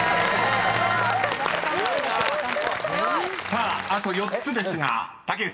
［さああと４つですが竹内さん］